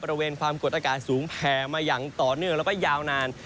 บริเวณความกดอากาศสูงแผ่มาอย่างต่อเนื่องแล้วก็ยาวนาน